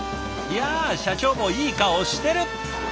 いや社長もいい顔してる！